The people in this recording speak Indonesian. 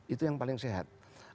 itu yang paling sehat